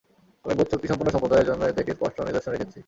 আমি বোধশক্তিসম্পন্ন সম্প্রদায়ের জন্যে এতে একটি স্পষ্ট নিদর্শন রেখেছি।